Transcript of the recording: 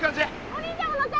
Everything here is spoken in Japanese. お兄ちゃんも乗って！